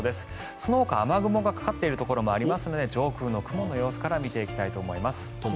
そのほか雨雲がかかっているところもありますので上空の雲の様子から見ていきたいと思います。